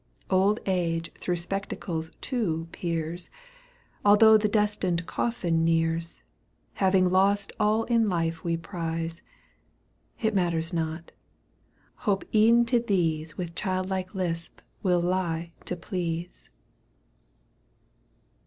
Old age through spectacles too peers. Although the destined coffin nears. Having lost all in life we prize. It matters not. Hope e'en to these With childlike lisp will lie to please.